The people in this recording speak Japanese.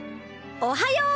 おはよう。